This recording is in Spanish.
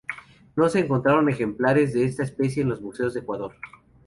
No se encontraron ejemplares de esta especie en los museos del Ecuador.